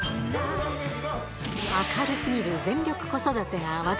明るすぎる全力子育てが話題。